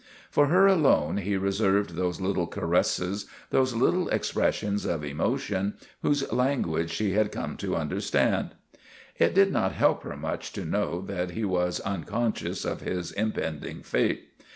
For her alone he reserved those little caresses, those little expressions of emotion whose language she had come to understand. It did not help her much to know that he was un conscious of his impending fate.